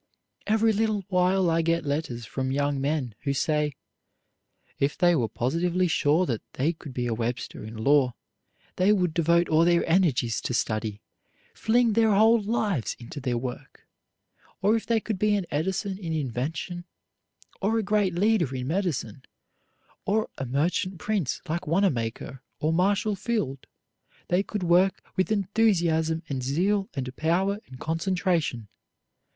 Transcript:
Every little while I get letters from young men who say, if they were positively sure that they could be a Webster in law, they would devote all their energies to study, fling their whole lives into their work; or if they could be an Edison in invention, or a great leader in medicine, or a merchant prince like Wanamaker or Marshall Field, they could work with enthusiasm and zeal and power and concentration.